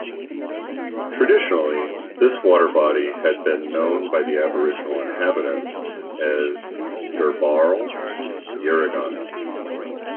Traditionally, this water body had been known by Aboriginal inhabitants as "Derbarl Yerrigan".